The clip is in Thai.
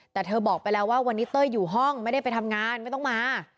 แต่เธอบอกไปแล้วว่าวันนี้เต้ยอยู่ห้องไม่ได้ไปทำงานไม่ต้องมา